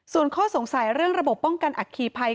ส่วนข้อสงสัยเรื่องระบบป้องกันอัคคีภัย